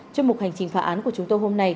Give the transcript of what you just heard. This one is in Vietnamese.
trong mục hành trình phá án của chúng tôi hôm nay